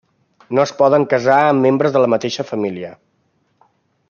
No es poden casar amb membres de la mateixa família.